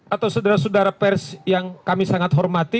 atau saudara saudara pers yang kami sangat hormati